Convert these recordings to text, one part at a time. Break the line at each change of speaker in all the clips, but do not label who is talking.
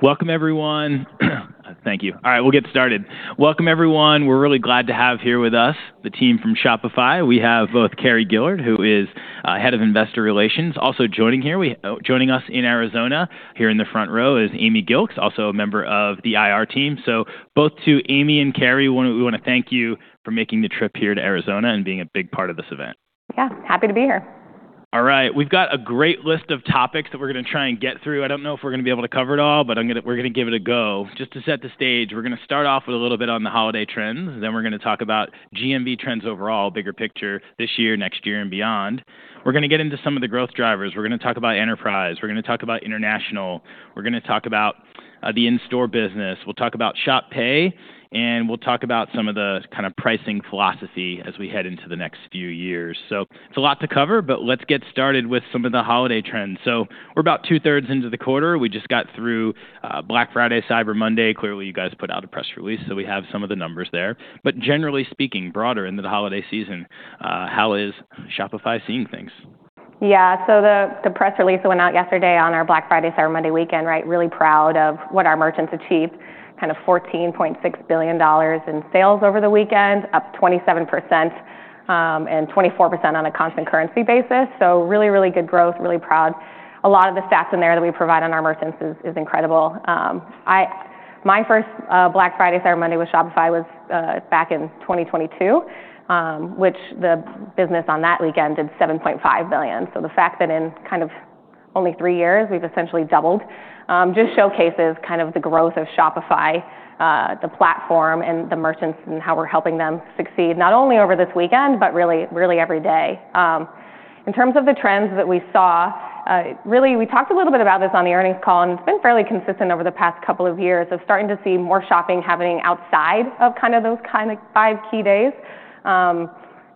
All right. Welcome, everyone. Thank you. All right, we'll get started. Welcome, everyone. We're really glad to have here with us the team from Shopify. We have both Carrie Gillard, who is Head of Investor Relations, also joining here. Joining us in Arizona, here in the front row, is Amy Gilkes, also a member of the IR team. So both to Amy and Carrie, we want to thank you for making the trip here to Arizona and being a big part of this event.
Yeah. Happy to be here.
All right. We've got a great list of topics that we're going to try and get through. I don't know if we're going to be able to cover it all, but I'm going to, we're going to give it a go. Just to set the stage, we're going to start off with a little bit on the holiday trends. Then we're going to talk about GMV trends overall, bigger picture, this year, next year, and beyond. We're going to get into some of the growth drivers. We're going to talk about enterprise. We're going to talk about international. We're going to talk about the in-store business. We'll talk about Shop Pay. And we'll talk about some of the kind of pricing philosophy as we head into the next few years, so it's a lot to cover, but let's get started with some of the holiday trends. So we're about 2/3 into the quarter. We just got through Black Friday Cyber Monday. Clearly, you guys put out a press release, so we have some of the numbers there. But generally speaking, broader into the holiday season, how is Shopify seeing things?
Yeah. So the press release that went out yesterday on our Black Friday, Cyber Monday weekend, right, really proud of what our merchants achieved, kind of $14.6 billion in sales over the weekend, up 27%, and 24% on a constant currency basis. So really, really good growth, really proud. A lot of the stats in there that we provide on our merchants is incredible. My first Black Friday, Cyber Monday with Shopify was back in 2022, which the business on that weekend did $7.5 billion. So the fact that in kind of only three years, we've essentially doubled just showcases kind of the growth of Shopify, the platform, and the merchants, and how we're helping them succeed, not only over this weekend, but really, really every day. In terms of the trends that we saw, really, we talked a little bit about this on the earnings call, and it's been fairly consistent over the past couple of years of starting to see more shopping happening outside of kind of those kind of five key days,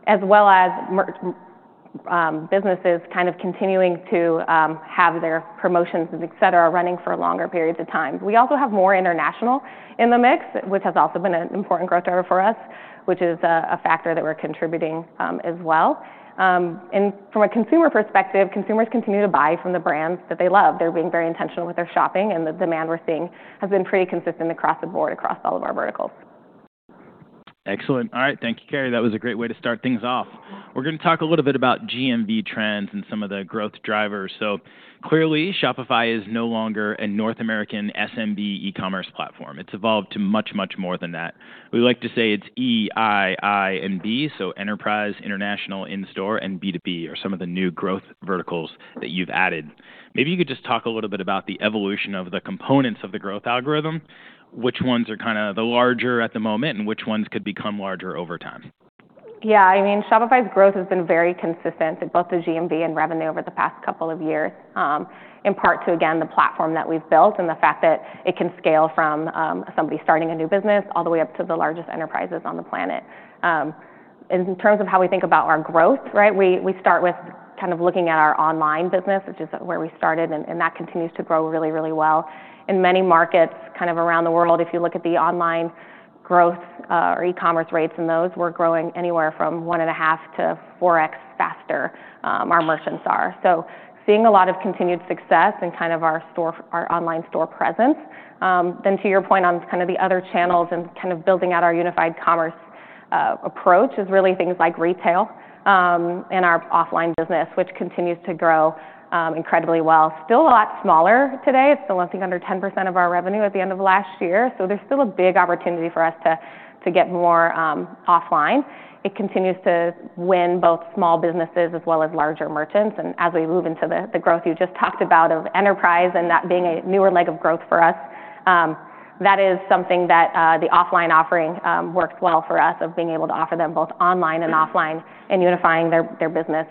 as well as merchants businesses kind of continuing to have their promotions, etc., running for longer periods of time. We also have more international in the mix, which has also been an important growth driver for us, which is a factor that we're contributing, as well. From a consumer perspective, consumers continue to buy from the brands that they love. They're being very intentional with their shopping, and the demand we're seeing has been pretty consistent across the board, across all of our verticals.
Excellent. All right. Thank you, Carrie. That was a great way to start things off. We're going to talk a little bit about GMV trends and some of the growth drivers. So clearly, Shopify is no longer a North American SMB e-commerce platform. It's evolved to much, much more than that. We like to say it's E, I, I, and B, so enterprise, international, in-store, and B2B are some of the new growth verticals that you've added. Maybe you could just talk a little bit about the evolution of the components of the growth algorithm, which ones are kind of the larger at the moment and which ones could become larger over time.
Yeah. I mean, Shopify's growth has been very consistent at both the GMV and revenue over the past couple of years, in part to, again, the platform that we've built and the fact that it can scale from, somebody starting a new business all the way up to the largest enterprises on the planet. In terms of how we think about our growth, right, we start with kind of looking at our online business, which is where we started, and that continues to grow really, really well. In many markets kind of around the world, if you look at the online growth, or e-commerce rates in those, we're growing anywhere from one and a half to 4x faster, our merchants are. Seeing a lot of continued success in kind of our store, our online store presence, then to your point on kind of the other channels and kind of building out our unified commerce approach is really things like retail, and our offline business, which continues to grow incredibly well. Still a lot smaller today. It's still, I think, under 10% of our revenue at the end of last year. There's still a big opportunity for us to get more offline. It continues to win both small businesses as well as larger merchants. And as we move into the growth you just talked about of enterprise and that being a newer leg of growth for us, that is something that the offline offering works well for us of being able to offer them both online and offline and unifying their business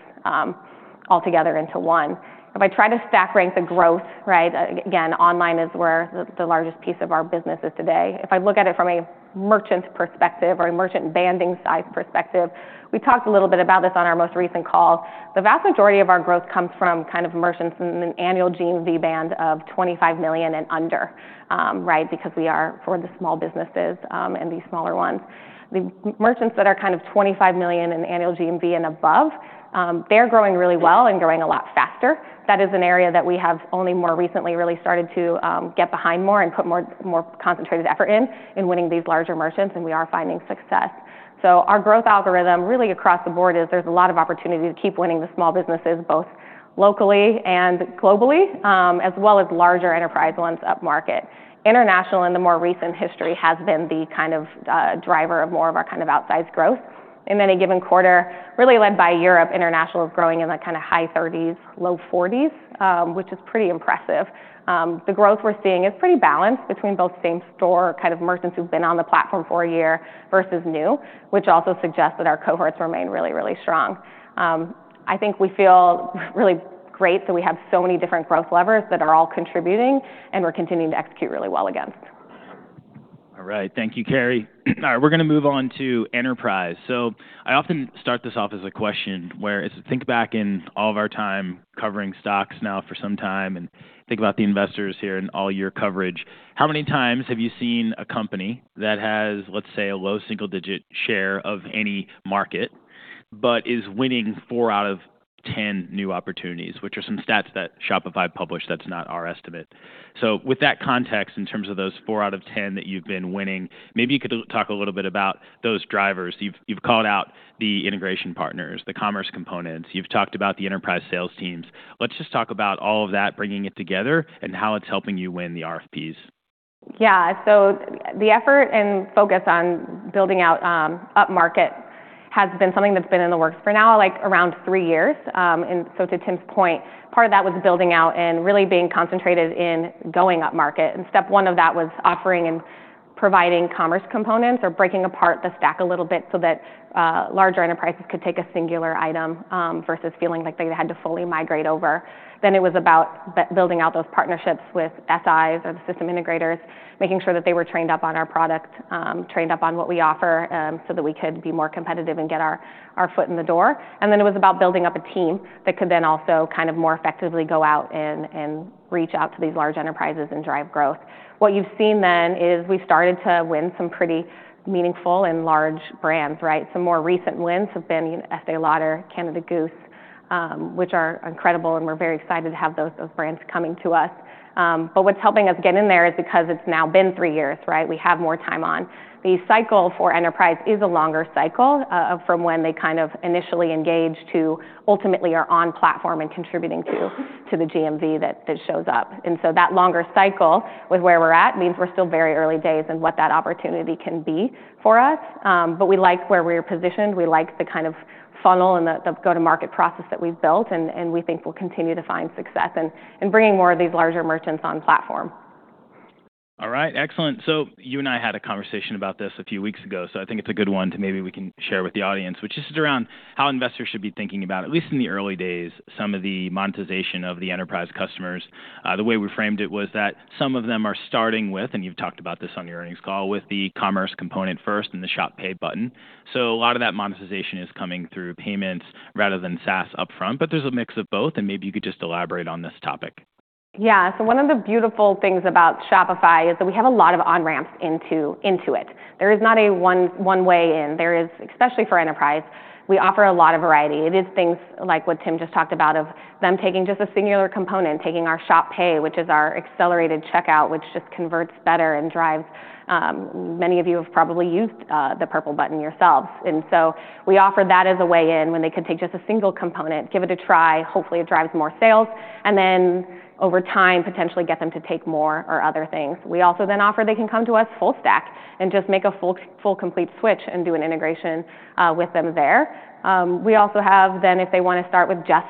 altogether into one. If I try to stack rank the growth, right, again, online is where the largest piece of our business is today. If I look at it from a merchant perspective or a merchant banding size perspective, we talked a little bit about this on our most recent call. The vast majority of our growth comes from kind of merchants in an annual GMV band of $25 million and under, right, because we are for the small businesses, and these smaller ones. The merchants that are kind of $25 million in annual GMV and above, they're growing really well and growing a lot faster. That is an area that we have only more recently really started to get behind more and put more concentrated effort in winning these larger merchants, and we are finding success. So our growth algorithm really across the board is there's a lot of opportunity to keep winning the small businesses both locally and globally, as well as larger enterprise ones up market. International in the more recent history has been the kind of, driver of more of our kind of outsized growth. In any given quarter, really led by Europe, international is growing in the kind of high 30s%, low 40s%, which is pretty impressive. The growth we're seeing is pretty balanced between both same store kind of merchants who've been on the platform for a year versus new, which also suggests that our cohorts remain really, really strong. I think we feel really great that we have so many different growth levers that are all contributing, and we're continuing to execute really well against.
All right. Thank you, Carrie. All right. We're going to move on to enterprise. So I often start this off as a question where it's think back in all of our time covering stocks now for some time and think about the investors here and all your coverage. How many times have you seen a company that has, let's say, a low single-digit share of any market but is winning four out of 10 new opportunities, which are some stats that Shopify published that's not our estimate? So with that context, in terms of those four out of 10 that you've been winning, maybe you could talk a little bit about those drivers. You've called out the integration partners, the Commerce Components. You've talked about the enterprise sales teams. Let's just talk about all of that, bringing it together and how it's helping you win the RFPs.
Yeah. So the effort and focus on building out up market has been something that's been in the works for now, like around three years, and so to Tim's point, part of that was building out and really being concentrated in going up market, and step one of that was offering and providing commerce components or breaking apart the stack a little bit so that larger enterprises could take a singular item, versus feeling like they had to fully migrate over. Then it was about building out those partnerships with SIs or the system integrators, making sure that they were trained up on our product, trained up on what we offer, so that we could be more competitive and get our foot in the door. And then it was about building up a team that could then also kind of more effectively go out and reach out to these large enterprises and drive growth. What you've seen then is we've started to win some pretty meaningful and large brands, right? Some more recent wins have been Estée Lauder, Canada Goose, which are incredible, and we're very excited to have those brands coming to us. But what's helping us get in there is because it's now been three years, right? We have more time on. The cycle for enterprise is a longer cycle, from when they kind of initially engage to ultimately are on platform and contributing to the GMV that shows up. And so that longer cycle with where we're at means we're still very early days in what that opportunity can be for us. But we like where we're positioned. We like the kind of funnel and the go-to-market process that we've built, and we think we'll continue to find success in bringing more of these larger merchants on platform.
All right. Excellent. So you and I had a conversation about this a few weeks ago, so I think it's a good one to maybe we can share with the audience, which is around how investors should be thinking about, at least in the early days, some of the monetization of the enterprise customers. The way we framed it was that some of them are starting with, and you've talked about this on your earnings call, with the Commerce Components first and the Shop Pay button. So a lot of that monetization is coming through payments rather than SaaS upfront, but there's a mix of both, and maybe you could just elaborate on this topic.
Yeah. So one of the beautiful things about Shopify is that we have a lot of on-ramps into it. There is not one way in. There is, especially for enterprise, we offer a lot of variety. It is things like what Tim just talked about of them taking just a singular component, taking our Shop Pay, which is our accelerated checkout, which just converts better and drives. Many of you have probably used the purple button yourselves. And so we offer that as a way in when they could take just a single component, give it a try, hopefully it drives more sales, and then over time potentially get them to take more or other things. We also then offer they can come to us full stack and just make a full complete switch and do an integration with them there. We also have then if they want to start with just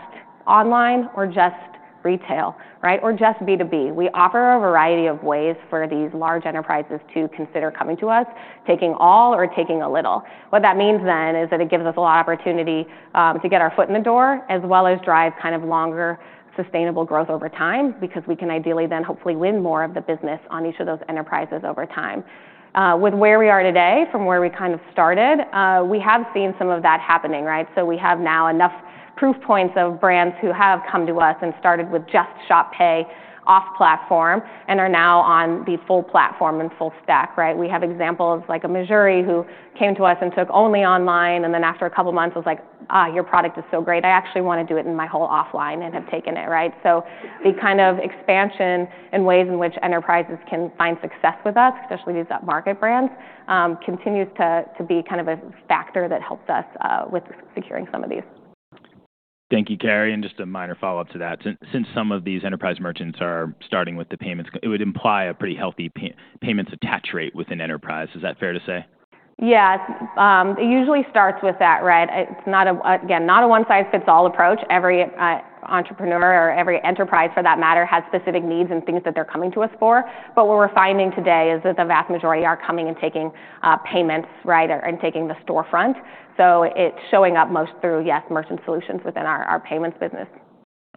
online or just retail, right, or just B2B. We offer a variety of ways for these large enterprises to consider coming to us, taking all or taking a little. What that means then is that it gives us a lot of opportunity, to get our foot in the door as well as drive kind of longer sustainable growth over time because we can ideally then hopefully win more of the business on each of those enterprises over time. With where we are today, from where we kind of started, we have seen some of that happening, right? So we have now enough proof points of brands who have come to us and started with just Shop Pay off platform and are now on the full platform and full stack, right? We have examples like a Mejuri who came to us and took only online, and then after a couple of months was like, "your product is so great. I actually want to do it in my whole offline and have taken it," right? So the kind of expansion and ways in which enterprises can find success with us, especially these up-market brands, continues to be kind of a factor that helps us with securing some of these.
Thank you, Carrie. And just a minor follow-up to that. Since some of these enterprise merchants are starting with the payments, it would imply a pretty healthy payments attach rate within enterprise. Is that fair to say?
Yeah. It usually starts with that, right? It's not a, again, not a one-size-fits-all approach. Every entrepreneur or every enterprise for that matter has specific needs and things that they're coming to us for. But what we're finding today is that the vast majority are coming and taking payments, right, and taking the storefront. So it's showing up most through, yes, merchant solutions within our payments business.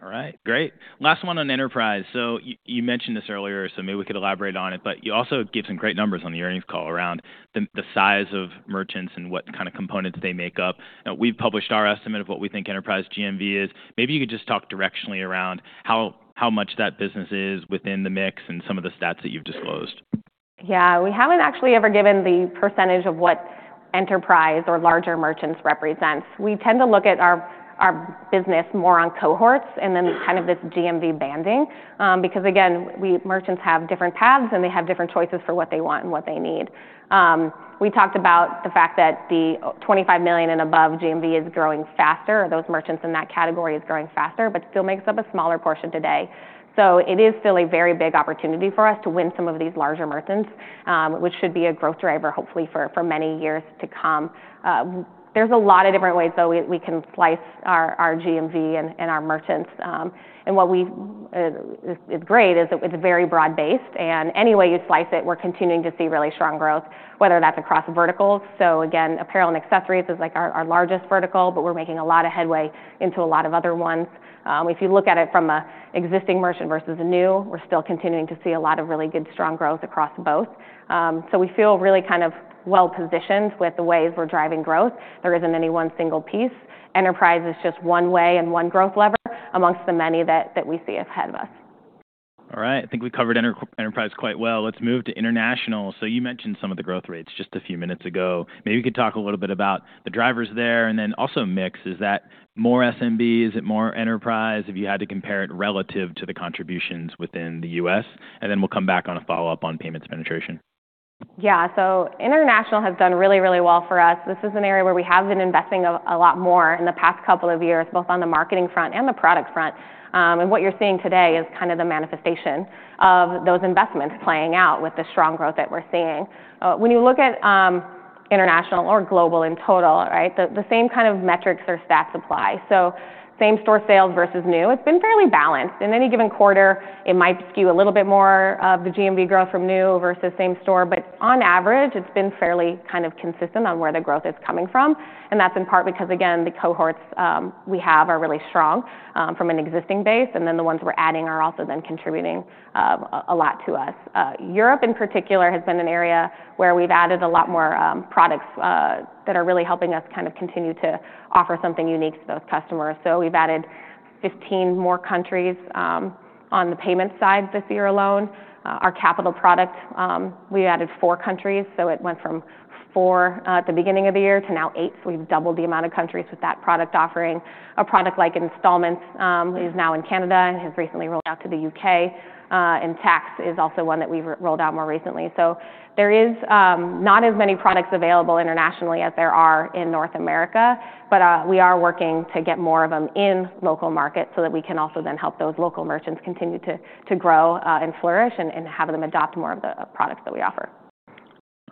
All right. Great. Last one on enterprise. So you mentioned this earlier, so maybe we could elaborate on it, but you also give some great numbers on the earnings call around the size of merchants and what kind of components they make up. Now, we've published our estimate of what we think enterprise GMV is. Maybe you could just talk directionally around how much that business is within the mix and some of the stats that you've disclosed.
Yeah. We haven't actually ever given the percentage of what enterprise or larger merchants represents. We tend to look at our, our business more on cohorts and then kind of this GMV banding, because again, we merchants have different paths and they have different choices for what they want and what they need. We talked about the fact that the $25 million and above GMV is growing faster, or those merchants in that category is growing faster, but still makes up a smaller portion today. So it is still a very big opportunity for us to win some of these larger merchants, which should be a growth driver hopefully for, for many years to come. There's a lot of different ways that we, we can slice our, our GMV and, and our merchants. And what we've is great is that it's very broad-based, and any way you slice it, we're continuing to see really strong growth, whether that's across verticals. So again, apparel and accessories is like our largest vertical, but we're making a lot of headway into a lot of other ones. If you look at it from an existing merchant versus a new, we're still continuing to see a lot of really good strong growth across both. So we feel really kind of well-positioned with the ways we're driving growth. There isn't any one single piece. Enterprise is just one way and one growth lever amongst the many that we see ahead of us.
All right. I think we covered enterprise quite well. Let's move to international. So you mentioned some of the growth rates just a few minutes ago. Maybe you could talk a little bit about the drivers there and then also mixes. Is that more SMB? Is it more enterprise? If you had to compare it relative to the contributions within the U.S., and then we'll come back on a follow-up on payments penetration.
Yeah. So international has done really, really well for us. This is an area where we have been investing a lot more in the past couple of years, both on the marketing front and the product front, and what you're seeing today is kind of the manifestation of those investments playing out with the strong growth that we're seeing. When you look at international or global in total, right, the same kind of metrics or stats apply. So same store sales versus new, it's been fairly balanced. In any given quarter, it might skew a little bit more of the GMV growth from new versus same store, but on average, it's been fairly kind of consistent on where the growth is coming from. And that's in part because, again, the cohorts we have are really strong from an existing base, and then the ones we're adding are also then contributing a lot to us. Europe in particular has been an area where we've added a lot more products that are really helping us kind of continue to offer something unique to those customers. So we've added 15 more countries on the payment side this year alone. Our capital product, we added four countries, so it went from four at the beginning of the year to now eight. So we've doubled the amount of countries with that product offering. A product like installments is now in Canada and has recently rolled out to the U.K. And tax is also one that we've rolled out more recently. There is not as many products available internationally as there are in North America, but we are working to get more of them in local markets so that we can also then help those local merchants continue to grow, and flourish and have them adopt more of the products that we offer.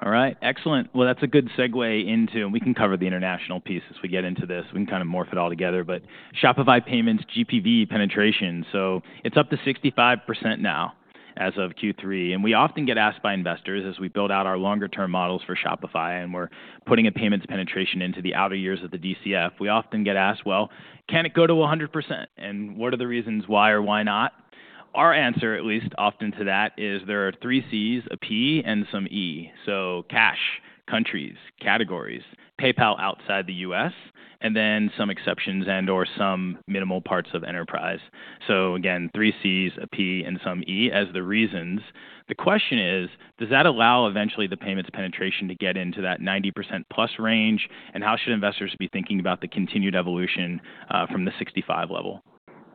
All right. Excellent. Well, that's a good segue into, and we can cover the international piece as we get into this. We can kind of morph it all together, but Shopify Payments GPV penetration. So it's up to 65% now as of Q3. And we often get asked by investors as we build out our longer-term models for Shopify and we're putting a payments penetration into the outer years of the DCF. We often get asked, "Well, can it go to 100%? And what are the reasons why or why not?" Our answer, at least often to that, is there are three Cs, a P, and some E. So PASH, countries, categories, PayPal outside the U.S., and then some exceptions and/or some minimal parts of enterprise. So again, three Cs, a P, and some E as the reasons. The question is, does that allow eventually the payments penetration to get into that 90%+ range? And how should investors be thinking about the continued evolution from the 65 level?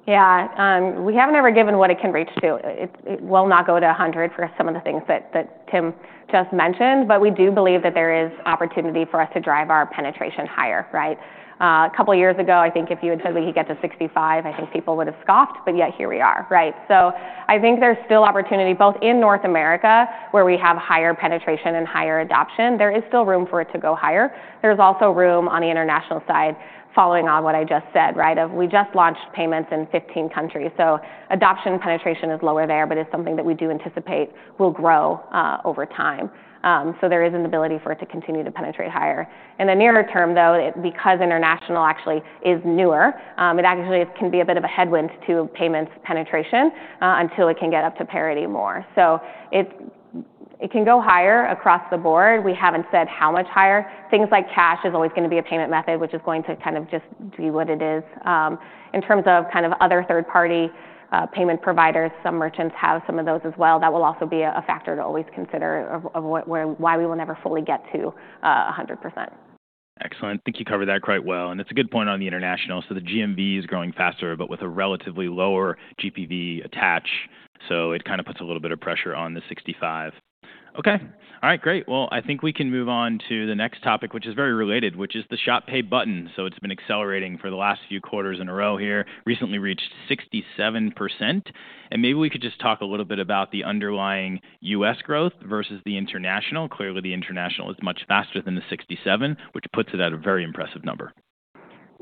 Yeah. We haven't ever given what it can reach to. It will not go to 100 for some of the things that Tim just mentioned, but we do believe that there is opportunity for us to drive our penetration higher, right? A couple of years ago, I think if you had said we could get to 65%, I think people would have scoffed, but yet here we are, right? So I think there's still opportunity both in North America where we have higher penetration and higher adoption. There is still room for it to go higher. There's also room on the international side following on what I just said, right? We just launched payments in 15 countries. So adoption penetration is lower there, but it's something that we do anticipate will grow over time. So there is an ability for it to continue to penetrate higher. In the nearer term, though, because international actually is newer, it actually can be a bit of a headwind to payments penetration, until it can get up to parity more. So it, it can go higher across the board. We haven't said how much higher. Things like cash is always going to be a payment method, which is going to kind of just be what it is. In terms of kind of other third-party, payment providers, some merchants have some of those as well. That will also be a factor to always consider of, of what, where, why we will never fully get to 100%.
Excellent. I think you covered that quite well. And it's a good point on the international. So the GMV is growing faster, but with a relatively lower GPV attach. So it kind of puts a little bit of pressure on the 65%. Okay. All right. Great. Well, I think we can move on to the next topic, which is very related, which is the Shop Pay button. So it's been accelerating for the last few quarters in a row here, recently reached 67%. And maybe we could just talk a little bit about the underlying U.S. growth versus the international. Clearly, the international is much faster than the 67%, which puts it at a very impressive number.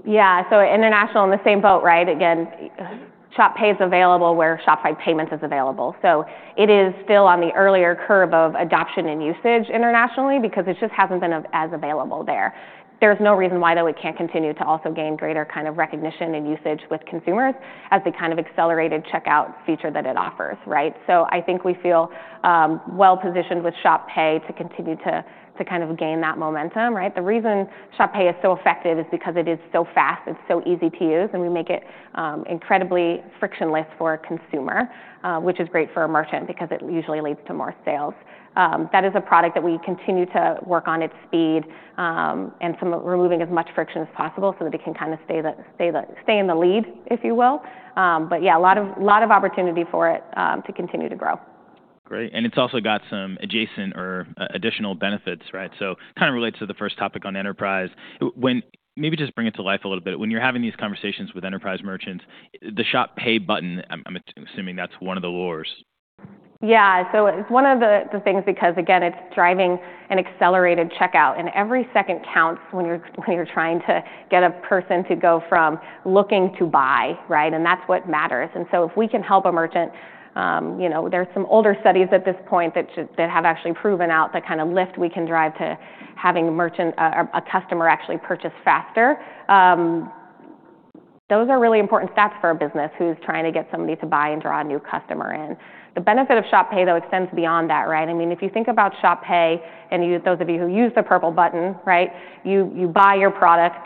Yeah. International is in the same boat, right? Again, Shop Pay is available where Shopify Payments is available. So it is still on the earlier curve of adoption and usage internationally because it just hasn't been as available there. There's no reason why, though, it can't continue to also gain greater kind of recognition and usage with consumers as the kind of accelerated checkout feature that it offers, right? I think we feel well-positioned with Shop Pay to continue to kind of gain that momentum, right? The reason Shop Pay is so effective is because it is so fast, it's so easy to use, and we make it incredibly frictionless for a consumer, which is great for a merchant because it usually leads to more sales. That is a product that we continue to work on its speed, and some of removing as much friction as possible so that it can kind of stay in the lead, if you will. But yeah, a lot of opportunity for it to continue to grow.
Great. And it's also got some adjacent or additional benefits, right? So kind of relates to the first topic on enterprise. When maybe just bring it to life a little bit, when you're having these conversations with enterprise merchants, the Shop Pay button, I'm assuming that's one of the lures.
Yeah. So it's one of the things because again, it's driving an accelerated checkout and every second counts when you're trying to get a person to go from looking to buy, right? And that's what matters. So if we can help a merchant, you know, there's some older studies at this point that have actually proven out the kind of lift we can drive to having a merchant, a customer actually purchase faster. Those are really important stats for a business who's trying to get somebody to buy and draw a new customer in. The benefit of Shop Pay, though, extends beyond that, right? I mean, if you think about Shop Pay and you, those of you who use the purple button, right, you buy your product,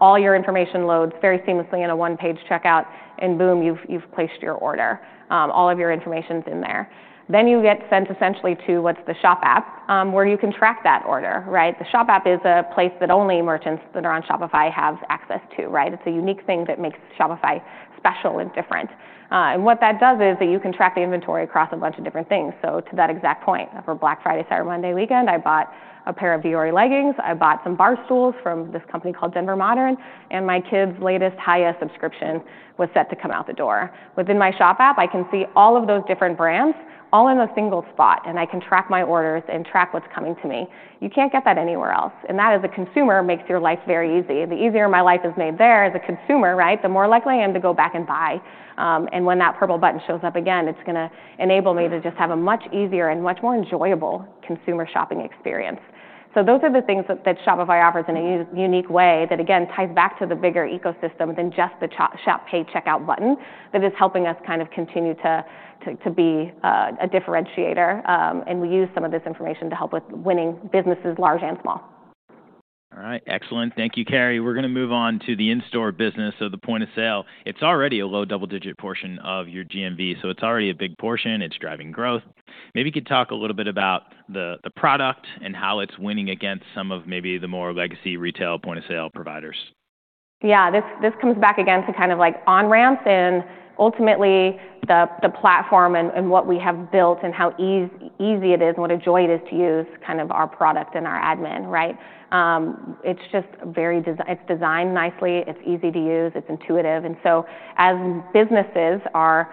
all your information loads very seamlessly in a one-page checkout and boom, you've placed your order. All of your information's in there. Then you get sent essentially to what's the Shop App, where you can track that order, right? The Shop App is a place that only merchants that are on Shopify have access to, right? It's a unique thing that makes Shopify special and different, and what that does is that you can track the inventory across a bunch of different things. So to that exact point for Black Friday Cyber Monday weekend, I bought a pair of Vuori leggings. I bought some bar stools from this company called Denver Modern, and my kids' latest Hiya subscription was set to come out the door. Within my Shop App, I can see all of those different brands all in a single spot, and I can track my orders and track what's coming to me. You can't get that anywhere else. And that as a consumer makes your life very easy. The easier my life is made there as a consumer, right, the more likely I am to go back and buy. And when that purple button shows up again, it's going to enable me to just have a much easier and much more enjoyable consumer shopping experience. So those are the things that Shopify offers in a unique way that again ties back to the bigger ecosystem than just the Shop Pay checkout button that is helping us kind of continue to be a differentiator. And we use some of this information to help with winning businesses large and small.
All right. Excellent. Thank you, Carrie. We're going to move on to the in-store business of the point of sale. It's already a low double-digit portion of your GMV, so it's already a big portion. It's driving growth. Maybe you could talk a little bit about the product and how it's winning against some of maybe the more legacy retail point of sale providers.
Yeah. This comes back again to kind of like on ramps and ultimately the platform and what we have built and how easy it is and what a joy it is to use kind of our product and our admin, right? It's just very designed. It's designed nicely. It's easy to use. It's intuitive. And so as businesses are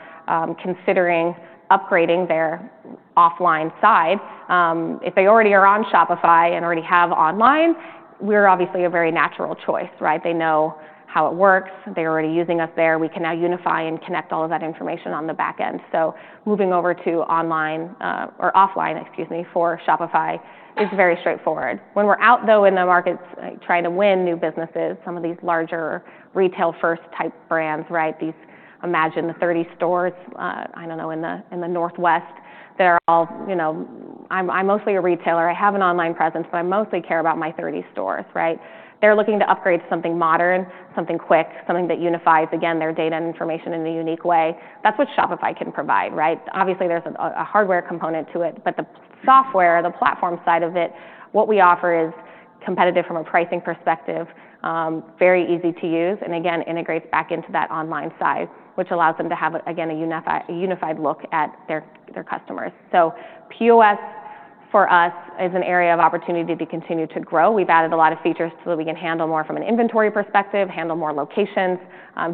considering upgrading their offline side, if they already are on Shopify and already have online, we're obviously a very natural choice, right? They know how it works. They're already using us there. We can now unify and connect all of that information on the back end. So moving over to online, or offline, excuse me, for Shopify is very straightforward. When we're out though in the markets trying to win new businesses, some of these larger retail-first type brands, right? Imagine the 30 stores, I don't know, in the, in the Northwest that are all, you know, I'm, I'm mostly a retailer. I have an online presence, but I mostly care about my 30 stores, right? They're looking to upgrade to something modern, something quick, something that unifies again their data and information in a unique way. That's what Shopify can provide, right? Obviously, there's a hardware component to it, but the software, the platform side of it, what we offer is competitive from a pricing perspective, very easy to use, and again, integrates back into that online side, which allows them to have again a unified, unified look at their, their customers. So POS for us is an area of opportunity to continue to grow. We've added a lot of features so that we can handle more from an inventory perspective, handle more locations,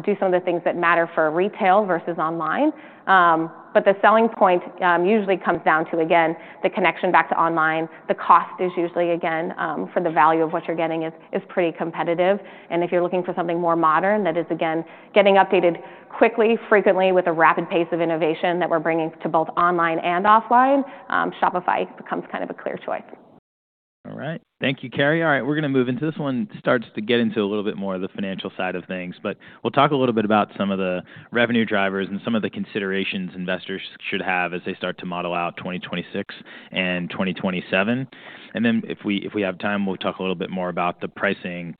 do some of the things that matter for retail versus online. But the selling point, usually comes down to again, the connection back to online. The cost is usually again, for the value of what you're getting is pretty competitive. And if you're looking for something more modern that is again, getting updated quickly, frequently with a rapid pace of innovation that we're bringing to both online and offline, Shopify becomes kind of a clear choice.
All right. Thank you, Carrie. All right. We're going to move into this one. It starts to get into a little bit more of the financial side of things, but we'll talk a little bit about some of the revenue drivers and some of the considerations investors should have as they start to model out 2026 and 2027, and then if we have time, we'll talk a little bit more about the pricing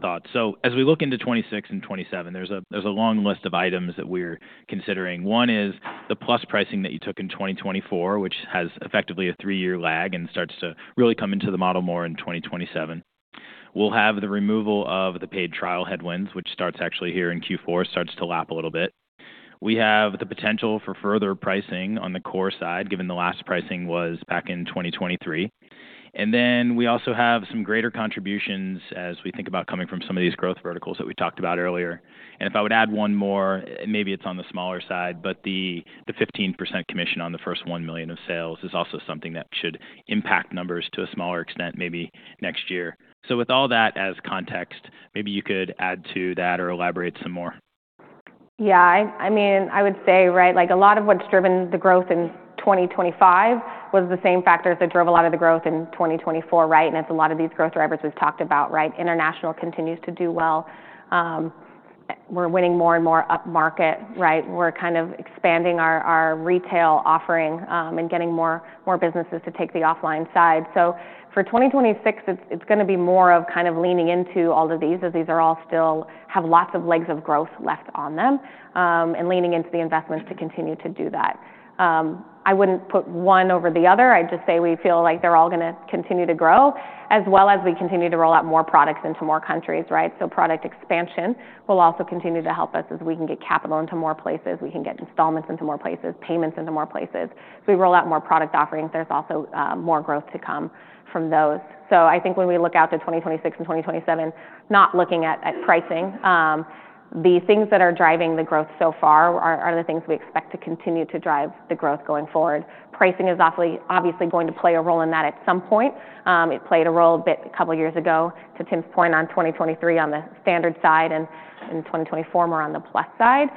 thoughts. So as we look into 2026 and 2027, there's a long list of items that we're considering. One is the plus pricing that you took in 2024, which has effectively a three-year lag and starts to really come into the model more in 2027. We'll have the removal of the paid trial headwinds, which starts actually here in Q4, starts to lap a little bit. We have the potential for further pricing on the core side, given the last pricing was back in 2023. And then we also have some greater contributions as we think about coming from some of these growth verticals that we talked about earlier. And if I would add one more, maybe it's on the smaller side, but the 15% commission on the first 1 million of sales is also something that should impact numbers to a smaller extent maybe next year. So with all that as context, maybe you could add to that or elaborate some more.
Yeah. I mean, I would say, right, like a lot of what's driven the growth in 2025 was the same factors that drove a lot of the growth in 2024, right? And it's a lot of these growth drivers we've talked about, right? International continues to do well. We're winning more and more up market, right? We're kind of expanding our retail offering, and getting more businesses to take the offline side. So for 2026, it's going to be more of kind of leaning into all of these as these are all still have lots of legs of growth left on them, and leaning into the investments to continue to do that. I wouldn't put one over the other. I'd just say we feel like they're all going to continue to grow as well as we continue to roll out more products into more countries, right? So product expansion will also continue to help us as we can get capital into more places. We can get installments into more places, payments into more places. As we roll out more product offerings, there's also more growth to come from those. So I think when we look out to 2026 and 2027, not looking at pricing, the things that are driving the growth so far are the things we expect to continue to drive the growth going forward. Pricing is obviously going to play a role in that at some point. It played a role a bit a couple of years ago to Tim's point on 2023 on the standard side and in 2024 more on the plus side.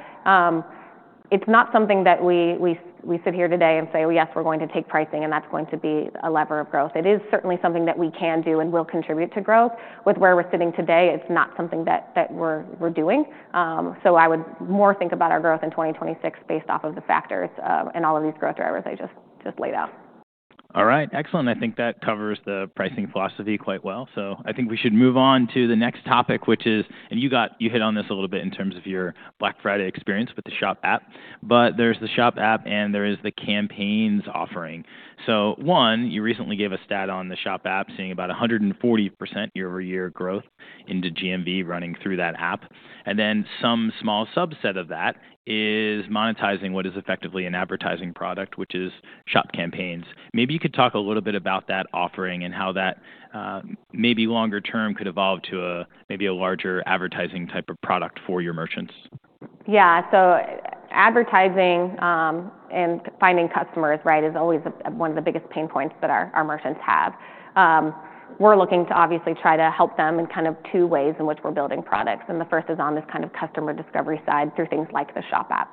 It's not something that we sit here today and say, well, yes, we're going to take pricing and that's going to be a lever of growth. It is certainly something that we can do and will contribute to growth. With where we're sitting today, it's not something that we're doing. So I would more think about our growth in 2026 based off of the factors, and all of these growth drivers I just laid out.
All right. Excellent. I think that covers the pricing philosophy quite well. So I think we should move on to the next topic, which is, and you got, you hit on this a little bit in terms of your Black Friday experience with the Shop App, but there's the Shop App and there is the Campaigns offering. So one, you recently gave a stat on the Shop App seeing about 140% year-over-year growth into GMV running through that app. And then some small subset of that is monetizing what is effectively an advertising product, which is Shop Campaigns. Maybe you could talk a little bit about that offering and how that, maybe longer term could evolve to a maybe a larger advertising type of product for your merchants.
Yeah. So advertising, and finding customers, right, is always one of the biggest pain points that our merchants have. We're looking to obviously try to help them in kind of two ways in which we're building products. And the first is on this kind of customer discovery side through things like the Shop App.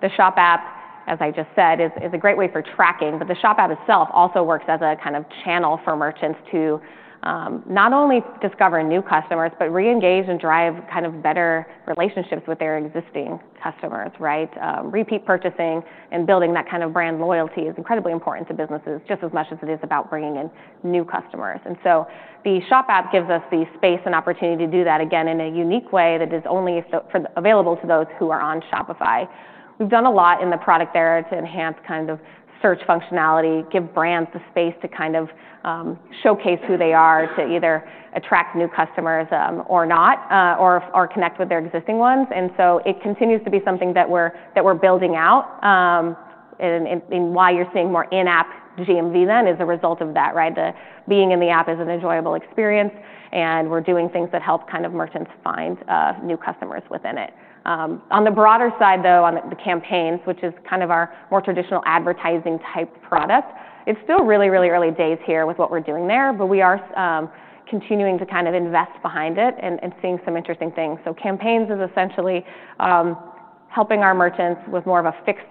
The Shop App, as I just said, is a great way for tracking, but the Shop App itself also works as a kind of channel for merchants to not only discover new customers, but reengage and drive kind of better relationships with their existing customers, right? Repeat purchasing and building that kind of brand loyalty is incredibly important to businesses just as much as it is about bringing in new customers. And so the Shop App gives us the space and opportunity to do that again in a unique way that is only available to those who are on Shopify. We've done a lot in the product there to enhance kind of search functionality, give brands the space to kind of showcase who they are to either attract new customers, or not, or connect with their existing ones. And so it continues to be something that we're building out. And why you're seeing more in-app GMV than is a result of that, right? The being in the app is an enjoyable experience and we're doing things that help kind of merchants find new customers within it. On the broader side though, on the Campaigns, which is kind of our more traditional advertising type product, it's still really, really early days here with what we're doing there, but we are continuing to kind of invest behind it and seeing some interesting things. So Campaigns is essentially helping our merchants with more of a fixed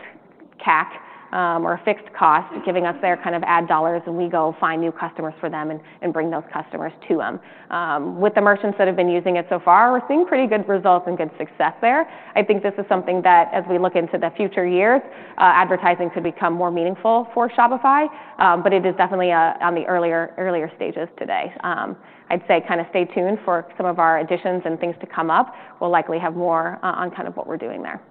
CAC, or a fixed cost, giving us their kind of ad dollars and we go find new customers for them and bring those customers to them. With the merchants that have been using it so far, we're seeing pretty good results and good success there. I think this is something that as we look into the future years, advertising could become more meaningful for Shopify. But it is definitely on the earlier, earlier stages today. I'd say kind of stay tuned for some of our additions and things to come up. We'll likely have more on kind of what we're doing there.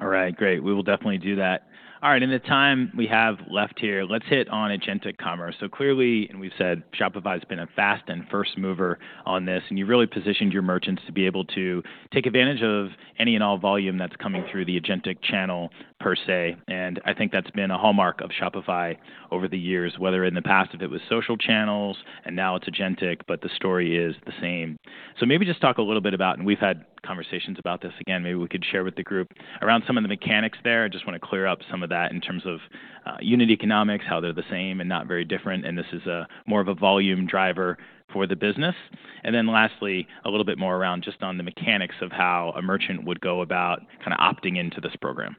All right. Great. We will definitely do that. All right. In the time we have left here, let's hit on Agentic Commerce. So clearly, and we've said Shopify has been a fast and first mover on this, and you've really positioned your merchants to be able to take advantage of any and all volume that's coming through the Agentic channel per se. And I think that's been a hallmark of Shopify over the years, whether in the past if it was social channels and now it's Agentic, but the story is the same. So maybe just talk a little bit about, and we've had conversations about this again, maybe we could share with the group around some of the mechanics there. I just want to clear up some of that in terms of unit economics, how they're the same and not very different. This is more of a volume driver for the business. Then lastly, a little bit more around just on the mechanics of how a merchant would go about kind of opting into this program.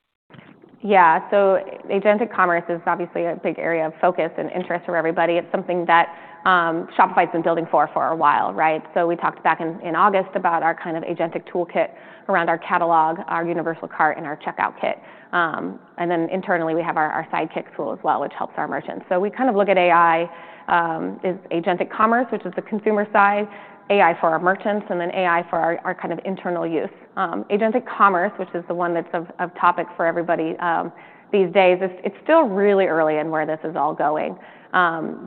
Yeah. Agentic Commerce is obviously a big area of focus and interest for everybody. It's something that Shopify has been building for a while, right? We talked back in August about our kind of Agentic toolkit around our catalog, our universal cart, and our checkout kit. And then internally we have our Sidekick tool as well, which helps our merchants. We kind of look at AI: Agentic Commerce, which is the consumer side, AI for our merchants, and then AI for our kind of internal use. Agentic Commerce, which is the one that's of topic for everybody these days, it's still really early in where this is all going.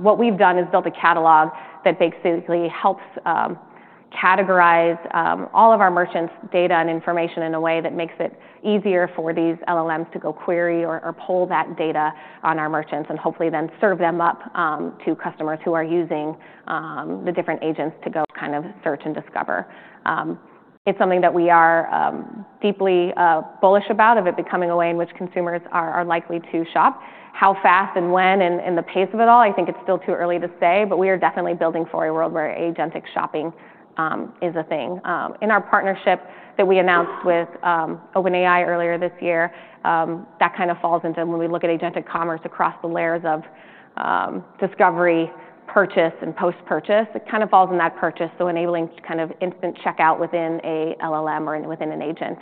What we've done is built a catalog that basically helps categorize all of our merchants' data and information in a way that makes it easier for these LLMs to go query or pull that data on our merchants and hopefully then serve them up to customers who are using the different agents to go kind of search and discover. It's something that we are deeply bullish about of it becoming a way in which consumers are likely to shop. How fast and when and the pace of it all, I think it's still too early to say, but we are definitely building for a world where Agentic shopping is a thing. In our partnership that we announced with OpenAI earlier this year, that kind of falls into when we look at Agentic Commerce across the layers of discovery, purchase, and post-purchase. It kind of falls in that purchase. So enabling kind of instant checkout within a LLM or within an agent.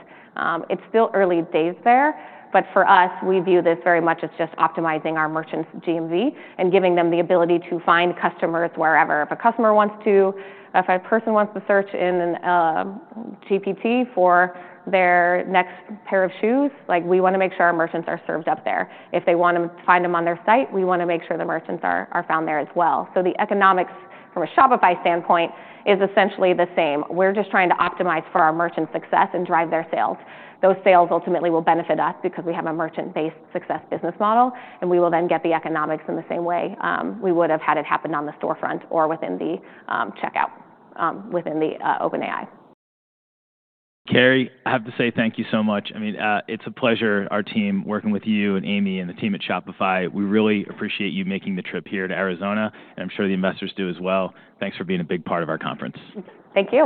It's still early days there, but for us, we view this very much as just optimizing our merchants' GMV and giving them the ability to find customers wherever. If a customer wants to, if a person wants to search in an, GPT for their next pair of shoes, like we want to make sure our merchants are served up there. If they want to find them on their site, we want to make sure the merchants are, are found there as well. So the economics from a Shopify standpoint is essentially the same. We're just trying to optimize for our merchant success and drive their sales. Those sales ultimately will benefit us because we have a merchant-based success business model, and we will then get the economics in the same way we would have had it happen on the storefront or within the checkout within the OpenAI.
Carrie, I have to say thank you so much. I mean, it's a pleasure our team working with you and Amy and the team at Shopify. We really appreciate you making the trip here to Arizona, and I'm sure the investors do as well. Thanks for being a big part of our conference.
Thank you.